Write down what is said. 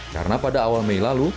karena pada awal mei lalu